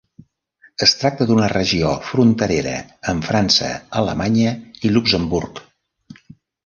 Es tracta d'una regió fronterera amb França, Alemanya i Luxemburg.